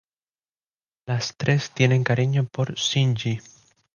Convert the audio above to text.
Las tres tienen cariño por Shinji.